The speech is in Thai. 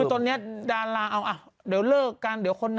คือตอนนี้ดาราเอาเดี๋ยวเลิกกันเดี๋ยวคนนั้น